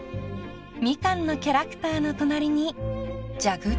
［ミカンのキャラクターの隣に蛇口？］